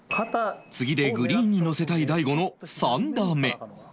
次でグリーンにのせたい大悟の３打目